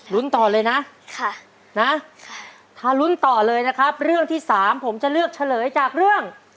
ต่อเลยนะค่ะนะถ้าลุ้นต่อเลยนะครับเรื่องที่สามผมจะเลือกเฉลยจากเรื่อง